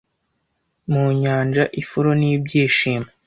mu nyanja ifuro n'ibyishimo